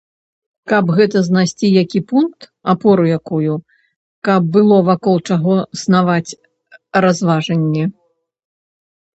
Каб гэта знайсці які пункт, апору якую, каб было вакол чаго снаваць разважанні.